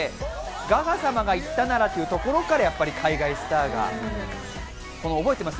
ガガ様が行ったならというところから、海外スターが覚えてます？